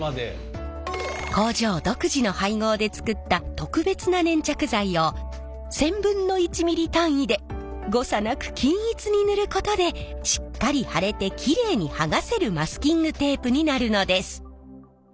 工場独自の配合で作った特別な粘着剤を１０００分の１ミリ単位で誤差なく均一に塗ることでしっかり貼れてきれいにはがせるマスキングテープになるのです。